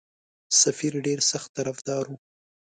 سفیر ډېر سخت طرفدار وو.